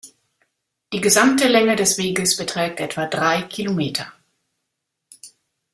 Die gesamte Länge des Weges beträgt etwa drei Kilometer.